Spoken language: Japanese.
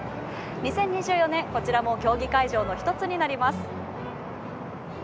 ２０２４年競技会場の１つになります。